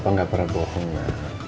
papa gak pernah bohong ya